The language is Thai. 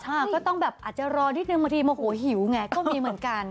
ก็ต้องแบบอาจจะรอนิดนึงบางทีโมโหหิวไงก็มีเหมือนกัน